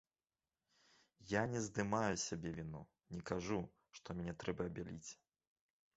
Я не здымаю з сябе віну, не кажу, што мяне трэба абяліць.